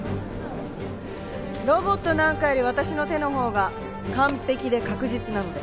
ロボットなんかより私の手のほうが完璧で確実なので。